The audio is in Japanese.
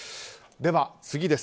では次です。